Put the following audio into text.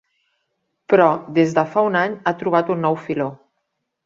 Però des de fa un any ha trobat un nou filó.